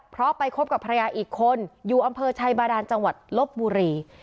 เพราะไปคบกับภรรยาอีกคนอยู่อำเภอชัยบาดานจังหวัดลบบุรี